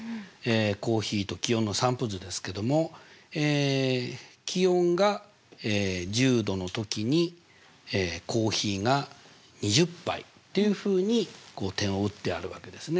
コーヒーと気温の散布図ですけども気温が１０℃の時にコーヒーが２０杯っていうふうにこう点を打ってあるわけですね。